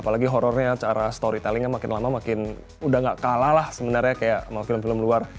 apalagi horrornya cara storytellingnya makin lama makin udah gak kalah lah sebenarnya kayak sama film film luar